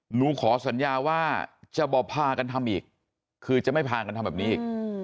หนูขอสัญญาว่าจะบอกพากันทำอีกคือจะไม่พากันทำแบบนี้อีก